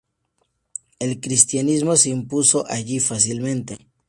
El cristianismo se impuso allí fácilmente.